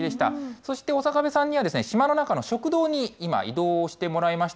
そして、刑部さんには島の中の食堂に今、移動してもらいました。